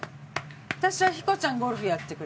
私はヒコちゃんゴルフやってくれたら。